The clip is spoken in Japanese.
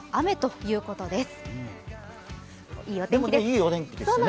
いいお天気ですね。